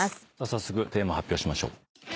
早速テーマ発表しましょう。